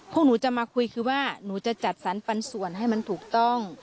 พวกหนูจะมาคุยคือว่าหนูจะจัดสรรปันส่วนให้มันถูกต้อง